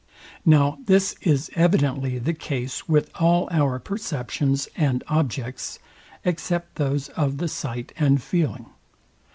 Now this is evidently the case with all our perceptions and objects, except those of the sight and feeling.